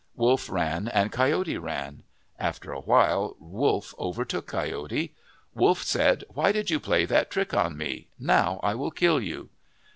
Wolf ran and Coyote ran. After a while Wolf overtook Coyote. Wolf said, "Why did you play that trick on me. Now I will kill you."